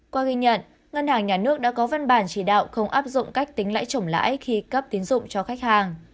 qua ghi nhận ngân hàng nhà nước đã có văn bản chỉ đạo không áp dụng cách tính lãi chủng lãi khi cấp tín dụng cho khách hàng